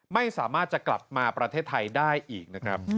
ไม่สามารถจะกลับมาประเทศไทยได้อีกนะครับ